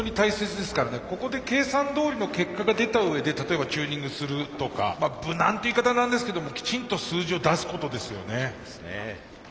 ここで計算どおりの結果が出たうえで例えばチューニングするとかまあ無難って言い方はなんですけどもきちんと数字を出すことですよね。